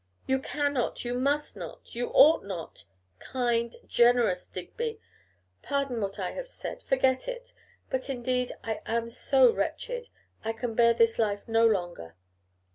'You cannot; you must not; you ought not! Kind, generous Digby! Pardon what I have said; forget it; but indeed I am so wretched, I can bear this life no longer.